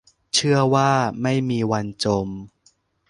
เชื่อว่าไม่มีวันจม